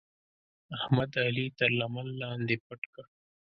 احمد؛ علي تر لمن لاندې پټ کړ.